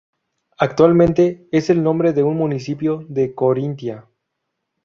Actualmente es el nombre de un municipio de Corintia.